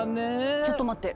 ちょっと待って。